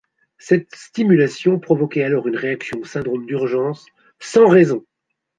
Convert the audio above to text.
Cette stimulation provoquait alors une réaction au syndrome d'urgence sans raisons.